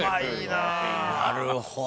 なるほど。